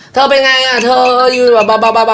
เธอเป็นไงอ่ะเธออยู่แบบ